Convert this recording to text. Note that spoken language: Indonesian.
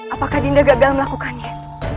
apakah dinda gagal melakukannya